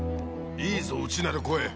いいぞ内なる声」